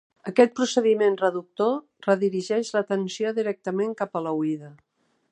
Aquest procediment reductor redirigeix l'atenció directament cap a l'oïda.